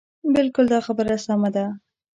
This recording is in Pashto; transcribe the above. بلکل دا خبره سمه ده.